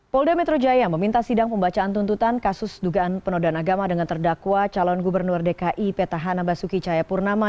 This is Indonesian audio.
polda metro jaya meminta sidang pembacaan tuntutan kasus dugaan penodaan agama dengan terdakwa calon gubernur dki petahana basuki cahayapurnama